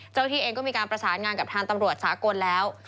ที่เองก็มีการประสานงานกับทางตำรวจสากลแล้ว